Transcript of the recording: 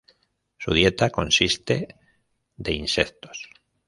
Su dieta consiste de insectos.